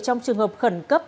trong trường hợp khẩn cấp